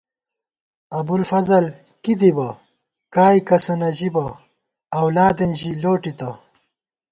ابُوالفضل بی دِبہ ، کائےکسہ نہ ژِبہ ، اولادېن ژی لوٹِتہ